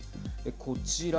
こちら。